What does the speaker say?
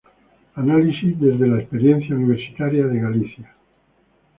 Análisis desde la experiencia universitaria de Galicia.